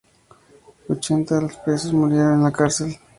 Ochenta de los presos murieron en la cárcel.